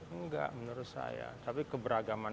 enggak menurut saya tapi keberagaman